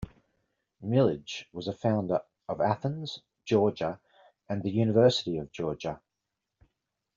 Milledge was a founder of Athens, Georgia, and the University of Georgia.